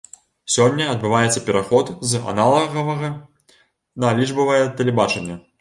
Сёння адбываецца пераход з аналагавага на лічбавае тэлебачанне.